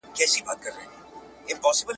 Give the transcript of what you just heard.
لۀ دې نه پس به ځان د ګونګ سړي پۀ څېر اړووم